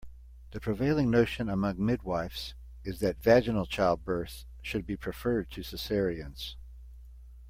The prevailing notion among midwifes is that vaginal childbirths should be preferred to cesareans.